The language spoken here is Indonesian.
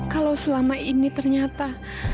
kalau selama ini ternyata